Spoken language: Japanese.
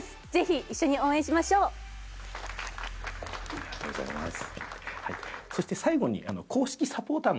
ありがとうございます。